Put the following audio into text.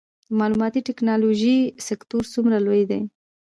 د معلوماتي ټیکنالوژۍ سکتور څومره لوی دی؟